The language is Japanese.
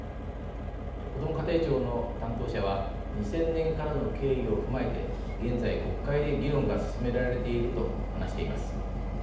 こども家庭庁の担当者は２０００年からの経緯を踏まえて現在国会で議論が進められていると話しています。